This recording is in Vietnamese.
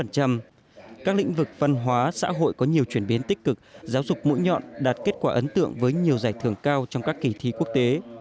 các lĩnh vực văn hóa xã hội có nhiều chuyển biến tích cực giáo dục mũi nhọn đạt kết quả ấn tượng với nhiều giải thưởng cao trong các kỳ thi quốc tế